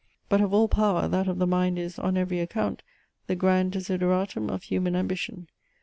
But of all power, that of the mind is, on every account, the grand desideratum of human ambition.